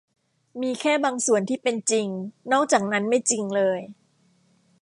มีแค่บางส่วนที่เป็นจริงนอกจากนั้นไม่จริงเลย